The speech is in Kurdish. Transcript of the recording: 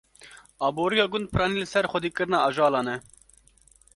Aborîya gund piranî li ser xwedîkirina ajalan e.